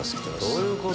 どういうこと？